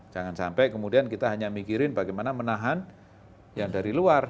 jangan sampai kemudian kita hanya mikirin bagaimana menahan yang dari luar